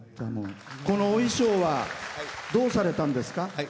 このお衣装はどうされたんですか？